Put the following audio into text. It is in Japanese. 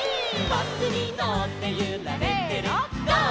「バスにのってゆられてるゴー！